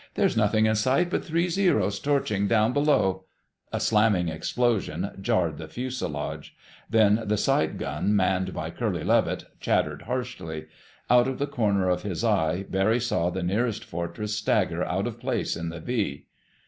There's nothing in sight but three Zeros torching down below—" A slamming explosion jarred the fuselage. Then the side gun manned by Curly Levitt chattered harshly. Out of the corner of his eye, Barry saw the nearest Fortress stagger out of place in the V.